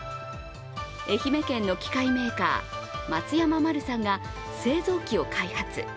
愛媛県の機械メーカー、松山丸三が製造機を開発。